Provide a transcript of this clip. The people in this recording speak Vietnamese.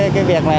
cái việc này